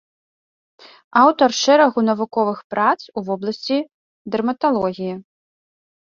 Аўтар шэрагу навуковых прац у вобласці дэрматалогіі.